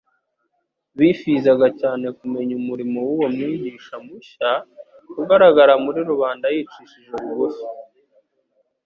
Bifizaga cyane kumenya umurimo w'uwo Mwigisha mushya ugaragara muri rubanda yicishije bugufi.